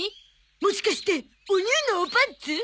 もしかしてオニューのおパンツ？